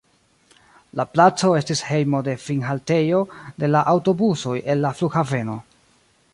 La placo estis hejmo de finhaltejo de la aŭtobusoj el la flughaveno.